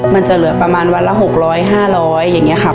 มันจะเหลือประมาณวันละ๖๐๐๕๐๐บาท